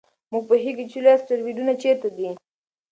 موږ پوهېږو چې لوی اسټروېډونه چیرته دي.